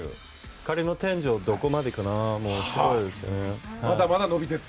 彼の天井はどこまでかなって。